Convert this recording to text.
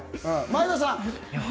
前田さんは？